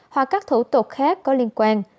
hoặc các thủ tục khác có liên quan